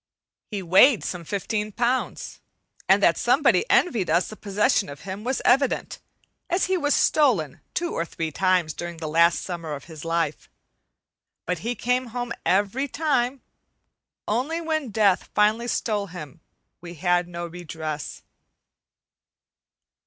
He weighed some fifteen pounds, and that somebody envied us the possession of him was evident, as he was stolen two or three times during the last summer of his life. But he came home every time; only when Death finally stole him, we had no redress.